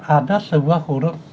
ada sebuah huruf